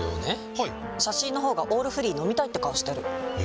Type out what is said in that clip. はい写真の方が「オールフリー」飲みたいって顔してるえ？